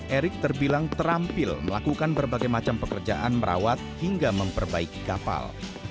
erik terbilang terampil melakukan berbagai macam pekerjaan merawat hingga memperbaiki kapal